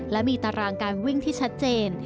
และมีตารางการวิ่งที่ชัดเจน